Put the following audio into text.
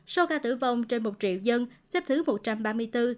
số ca tử vong trên một triệu dân xếp thứ một trăm ba mươi bốn